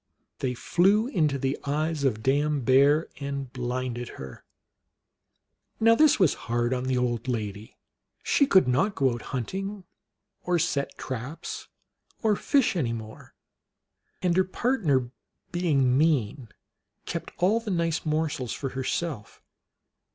They flew into the eyes of Dame Beav and blinded her. Now this was hard on the old lady. She could not THE MERRY TALES OF LOX. 177 go out hunting, or set traps, or fish any more ; and her partner, being mean, kept all the nice morsels for herself.